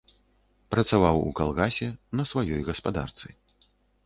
Працаваў у калгасе, на сваёй гаспадарцы.